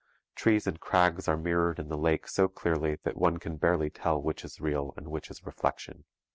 Trees and crags are mirrored in the lake so clearly that one can barely tell which is real and which is reflection.